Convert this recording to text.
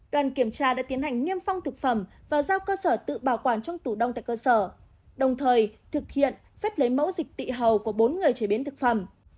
đoàn kiểm tra đã tiến hành niêm phong thực phẩm và giao cơ sở tự bảo quản trong tủ đông tại cơ sở đồng thời thực hiện phép lấy mẫu dịch tị hầu của bốn người chế biến thực phẩm